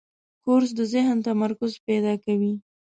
کورس د ذهن تمرکز پیدا کوي.